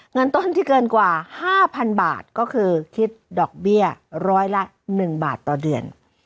เงินต้นที่เกินกว่า๕๐๐๐บาทก็คือคิดดอกเบี้ยร้อยละ๑บาทต่อเดือน